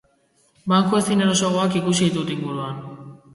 Banku ezin erosoagoak ikusi ditut inguruan...